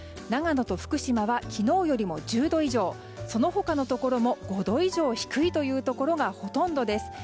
長野と福島は昨日よりも１０度以上その他のところも５度以上低いというところがほとんどです。